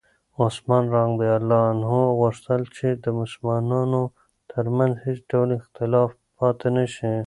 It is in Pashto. عثمان رض غوښتل چې د مسلمانانو ترمنځ هېڅ ډول اختلاف پاتې نه شي.